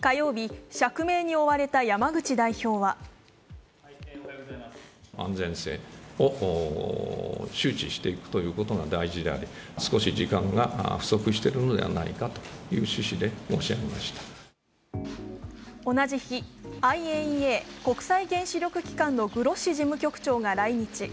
火曜日、釈明に追われた山口代表は同じ日、ＩＡＥＡ＝国際原子力機関のグロッシ事務局長が来日。